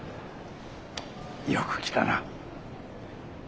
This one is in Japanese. よく来たな。